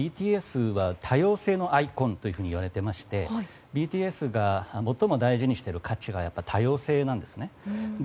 ＢＴＳは、多様性のアイコンといわれていまして、ＢＴＳが最も大事にしている価値は多様性なんですね。